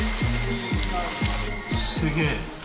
すげえ。